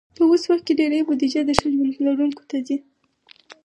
په اوس وخت کې ډېری بودیجه د ښه ژوند لرونکو ته ځي.